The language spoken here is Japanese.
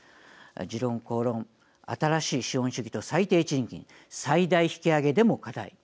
「時論公論」新しい資本主義と最低賃金最大引き上げでも課題。